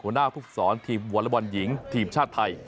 หัวหน้าผู้ฟักษรทีมวลายบอลหญิงทีมชาติไทย